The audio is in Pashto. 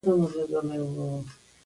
په حلولو بریالی نه شو.